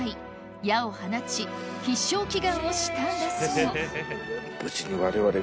矢を放ち必勝祈願をしたんだそう